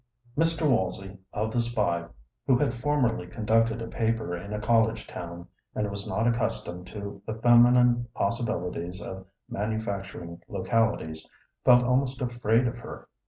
Mr. Walsey, of The Spy, who had formerly conducted a paper in a college town and was not accustomed to the feminine possibilities of manufacturing localities, felt almost afraid of her.